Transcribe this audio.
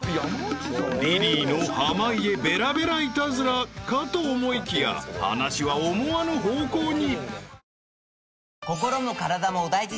［リリーの濱家ベラベライタズラかと思いきや話は思わぬ方向に］